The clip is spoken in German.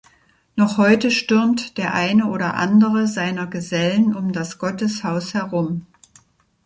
Noch heute „stürmt“ der eine oder andere seiner Gesellen um das Gotteshaus herum.